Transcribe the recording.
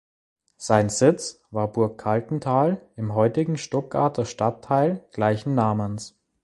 Sein Sitz war Burg Kaltental im heutigen Stuttgarter Stadtteil gleichen Namens.